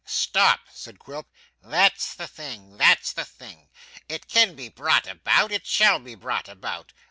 'Stop!' said Quilp. 'That's the thing, that's the thing. It can be brought about, it shall be brought about.